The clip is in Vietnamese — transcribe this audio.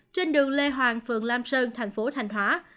trên đường lê hoàng phường lam sơn thành phố thanh hóa